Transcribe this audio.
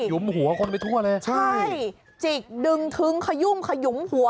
ุมหัวคนไปทั่วเลยใช่จิกดึงทึ้งขยุ่มขยุมหัว